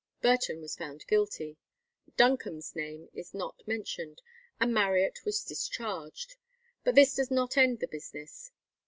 Burton was found guilty; Duncombe's name is not mentioned, and Marriott was discharged. But this does not end the business.